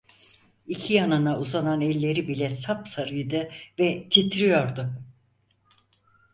İki yanına uzanan elleri bile sapsarıydı ve titriyordu.